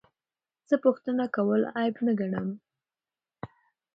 زه پوښتنه کول عیب نه ګڼم.